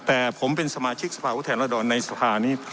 แต่ผมเป็นสมาชิกสภาพุทธแทนรัศดรในสภานี้